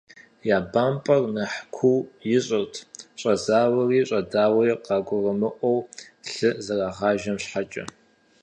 Я бампӀэр нэхъ куу ищӀырт щӀэзауэри щӀэдауэри къагурымыӀуэу лъы зэрагъажэм щхьэкӏэ.